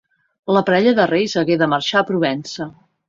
La parella de reis hagué de marxar a Provença.